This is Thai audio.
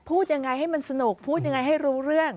พูดยังไงให้มันสนุกพูดยังไงให้รู้เรื่อง